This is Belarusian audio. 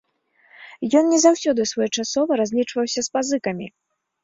Ён не заўсёды своечасова разлічваўся з пазыкамі.